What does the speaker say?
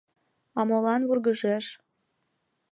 А молан вургыжеш?